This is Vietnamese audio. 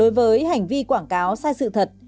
đối với hành vi quảng cáo sai sự thật